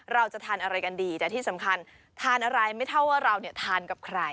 เราจะทานอะไรกันดีแต่ที่สำคัญทานอะไรไม่เท่าว่าเราเนี่ยทานกับใคร